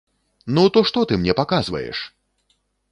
Ну, то што ты мне паказваеш!